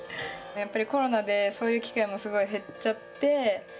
やっぱりコロナでそういう機会もすごい減っちゃって。